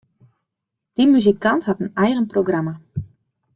Dy muzikant hat in eigen programma.